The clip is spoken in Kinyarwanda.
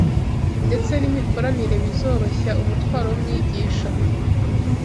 ndetse n’imikoranire bizoroshya umutwaro w’umwigisha